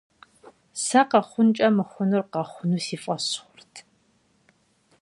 Сэ къэхъункӀэ мыхъунур къэхъуну си фӀэщ хъурт.